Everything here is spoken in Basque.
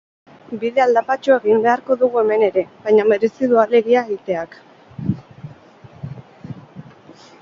Bide aldapatsua egin beharko dugu hemen ere, baina merezi du ahalegia egiteak.